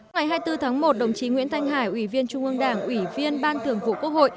ngày hai mươi bốn tháng một đồng chí nguyễn thanh hải ủy viên trung ương đảng ủy viên ban thường vụ quốc hội